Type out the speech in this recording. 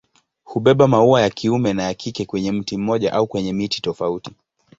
Hubeba maua ya kiume na ya kike kwenye mti mmoja au kwenye miti tofauti.